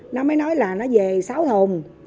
nó mới nói là nó về sáu thùng